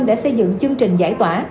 đã xây dựng chương trình giải tỏa